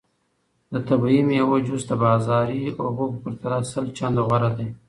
د طبیعي میوو جوس د بازاري هغو په پرتله سل چنده غوره دی.